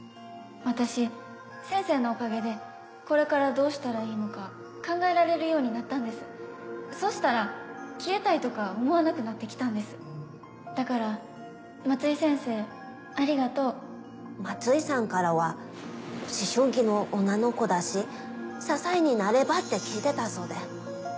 私先生のおかげでこれからどうしたらいいのか考えられるようになったんですそしたら消えたいとか思わなくなってだから松井先生ありがとう松井さんからは「思春期の女の子だし支えになれば」って聞いてたそうで。